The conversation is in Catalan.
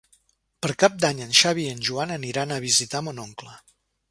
Per Cap d'Any en Xavi i en Joan aniran a visitar mon oncle.